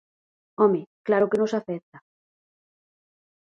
Home, claro que nos afecta.